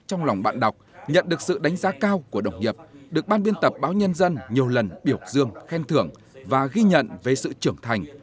trong lòng bạn đọc nhận được sự đánh giá cao của đồng nghiệp được ban biên tập báo nhân dân nhiều lần biểu dương khen thưởng và ghi nhận về sự trưởng thành